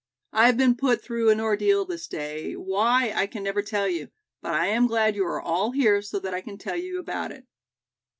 "I have been put through an ordeal this day, why, I can never tell you, but I am glad you are all here so that I can tell you about it."